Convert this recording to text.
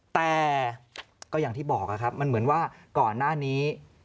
แต่ก็อย่างที่บอกครับมันเหมือนว่าก่อนหน้านี้